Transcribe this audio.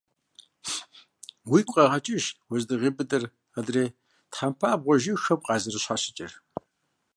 Уигу къэгъэкӀыж уэздыгъей быдэр адрей тхьэмпабгъуэ жыгхэм къазэрыщхьэщыкӀыр.